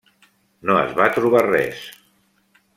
No es va trobar res.